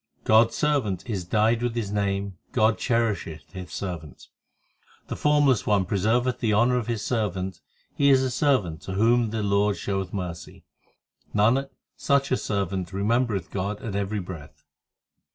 God s servant is dyed with His name, God cherisheth His servant, The Formless One preserveth the honour of His servant He is a servant to whom the Lord showeth mercy ; Nanak, such a servant remembereth God at every breath.